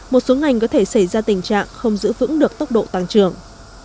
một số ngành có thể xảy ra tình trạng không giữ vững được tốc độ tăng trưởng